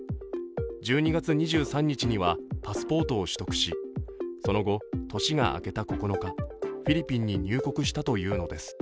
１２月２３日にはパスポートを取得しその後、年が明けた９日、フィリピンに入国したというのです。